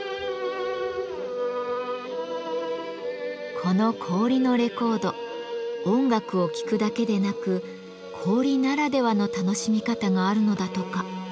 この氷のレコード音楽を聴くだけでなく氷ならではの楽しみ方があるのだとか。